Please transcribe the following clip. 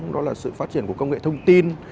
đó là sự phát triển của công nghệ thông tin